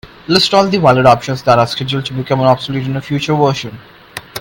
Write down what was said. List all the valid options that are scheduled to become obsolete in a future version.